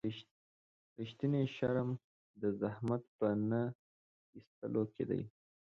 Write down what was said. رښتینی شرم د زحمت په نه ایستلو کې دی.